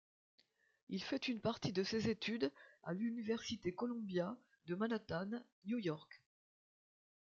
Il fait une partie de ses études à l'université Columbia de Manhattan, New York.